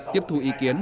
tiếp thu ý kiến